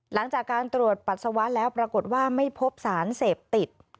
หลังจากการตรวจปัสสาวะแล้วปรากฏว่าไม่พบสารเสพติด